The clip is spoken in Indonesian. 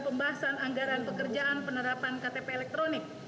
pembahasan anggaran pekerjaan penerapan ktp elektronik